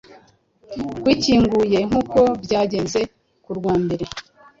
rwikinguye nk’uko byagenze ku rwa mbere,